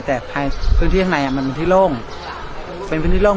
แต่ภายพื้นที่ข้างในมันเป็นที่โล่งเป็นพื้นที่โล่ง